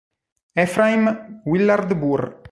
Ephraim Willard Burr